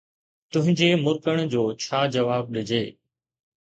تنھنجي مُرڪڻ جو ڇا جواب ڏجي.